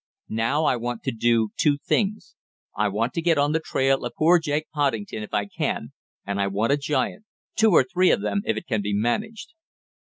Now I want to do two things. I want to get on the trail of poor Jake Poddington if I can, and I want a giant two or three of them if it can be managed."